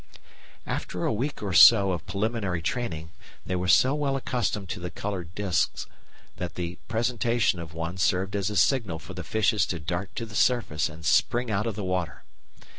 After a week or so of preliminary training, they were so well accustomed to the coloured discs that the presentation of one served as a signal for the fishes to dart to the surface and spring out of the water.